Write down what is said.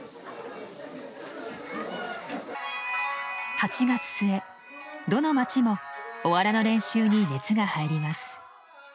８月末どの町もおわらの練習に熱が入ります。